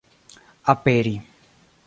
aperi